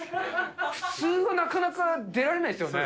普通はなかなか出られないですよね。